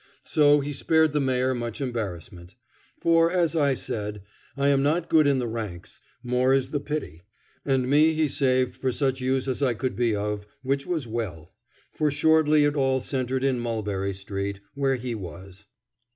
So he spared the Mayor much embarrassment; for, as I said, I am not good in the ranks, more is the pity: and me he saved for such use as I could be of, which was well. For shortly it all centred in Mulberry Street, where he was.